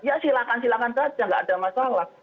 ya silahkan silahkan saja tidak ada masalah